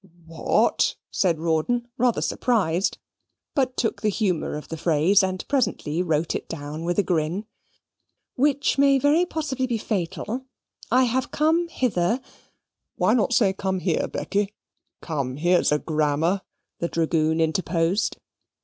"What?" said Rawdon, rather surprised, but took the humour of the phrase, and presently wrote it down with a grin. "Which very possibly may be fatal, I have come hither " "Why not say come here, Becky? Come here's grammar," the dragoon interposed.